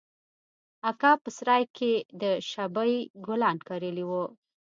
اکا په سراى کښې د شبۍ ګلان کرلي وو.